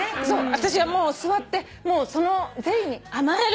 私はもう座ってもうその善意に甘える。